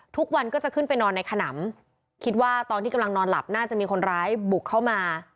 ทุกวันก็จะขึ้นไปนอนในขนำคิดว่าตอนที่กำลังนอนหลับน่าจะมีคนร้ายบุกเข้ามา